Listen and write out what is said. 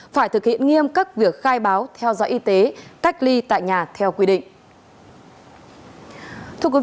phải thực hiện nghiêm các việc khai báo theo dõi y tế cách ly tại nhà theo quy định